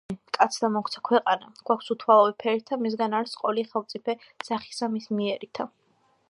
ჩვენ, კაცთა, მოგვცა ქვეყანა, გვაქვსუთვალავი ფერითა, მისგან არს ყოვლი ხელმწიფე სახითა მის მიერითა